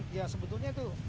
dan ya sebetulnya itu